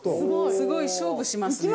すごい勝負しますね。